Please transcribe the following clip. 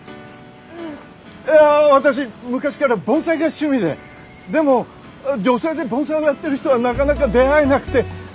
いや私昔から盆栽が趣味ででも女性で盆栽をやってる人はなかなか出会えなくて。